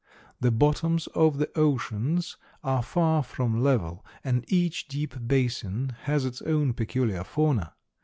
The bottoms of the oceans are far from level, and each deep basin has its own peculiar fauna.